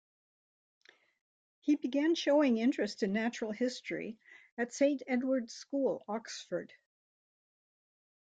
He began showing interest in natural history at Saint Edward's School, Oxford.